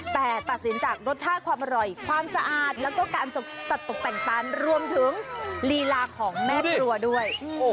แต่ตัดสินจากรสชาติความอร่อยความสะอาดแล้วก็การตัดตกแต่งตันรวมถึงลีลาของแม่ครัวด้วย